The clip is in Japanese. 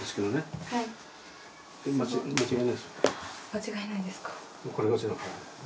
間違いないですか。